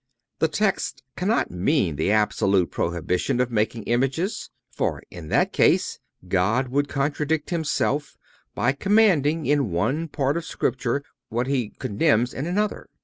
The text cannot mean the absolute prohibition of making images; for in that case God would contradict Himself by commanding in one part of Scripture what He condemns in another.